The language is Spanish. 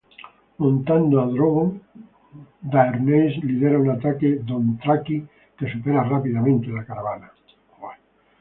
Montando a Drogon, Daenerys lidera un ataque Dothraki que supera rápidamente la caravana.